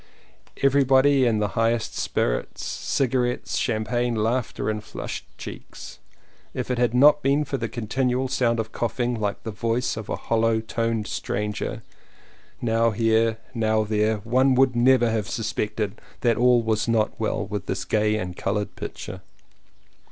Everybody in the highest spirits — cigarettes, champagne, laughter, and flushed cheeks. If it had not been for the continual sound of coughing, like the voice of a hollow toned stranger, now here, now there, one would never have suspected that all was not well with this gay and coloured picture.